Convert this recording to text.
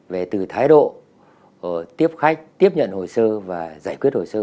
về từ thái độ tiếp khách tiếp nhận hồi sơ và giải quyết hồi sơ